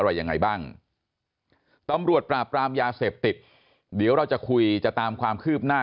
อะไรยังไงบ้างตำรวจปราบปรามยาเสพติดเดี๋ยวเราจะคุยจะตามความคืบหน้า